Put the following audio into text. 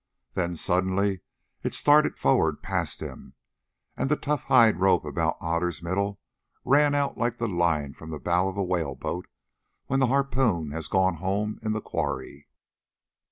Then suddenly it started forward past him, and the tough hide rope about Otter's middle ran out like the line from the bow of a whale boat when the harpoon has gone home in the quarry.